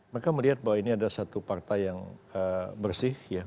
mereka melihat bahwa ini ada satu partai yang bersih